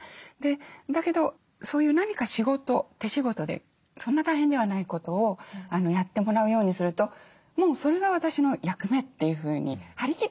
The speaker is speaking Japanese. だけどそういう何か仕事手仕事でそんな大変ではないことをやってもらうようにするともうそれが私の役目っていうふうに張り切ってくれるんですよね。